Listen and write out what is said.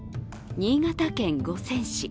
新潟県五泉市。